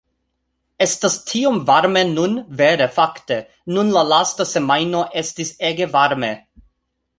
Estas tiom varme nun, vere fakte, nun la lasta semajno estis ege varme